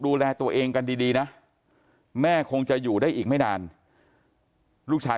ดูแลตัวเองกันดีนะแม่คงจะอยู่ได้อีกไม่นานลูกชาย